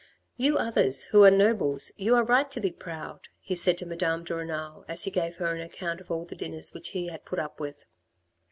" You others, who are nobles, you are right to be proud," he said to Madame de Renal, as he gave her an account of all the dinners which he had put up with.